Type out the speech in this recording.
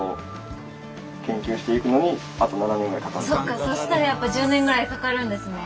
そうかそしたらやっぱ１０年ぐらいかかるんですね。